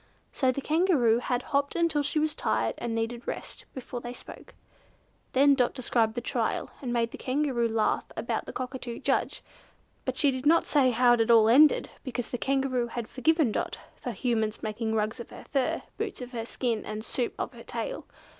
So the Kangaroo had hopped until she was tired and needed rest, before they spoke. Then Dot described the Trial, and made the Kangaroo laugh about the Cockatoo judge, but she did not say how it had all ended because the Kangaroo had forgiven Dot for Humans making rugs of her fur, boots of her skin, and soup of her tail.